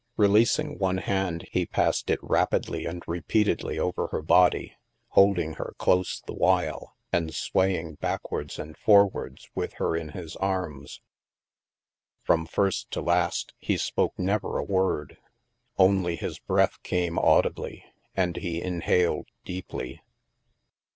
Releasing one hand, he passed it rapidly and repeatedly over her body, holding her close the while, and swaying back / i68 THE MASK wards and forwards with her in his arms. From first to last, he spoke never a word. Only his breath came audibly, and he inhaled deeply.